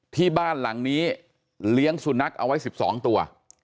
ที่บ้านหลังนี้เลี้ยงสุนัขเอาไว้๑๒ตัว